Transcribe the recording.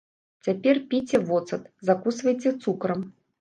Цяпер піце воцат, закусвайце цукрам.